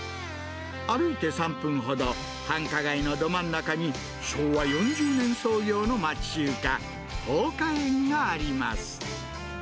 歩いて３分ほど、繁華街のど真ん中に昭和４０年創業の町中華、ほうか園があります。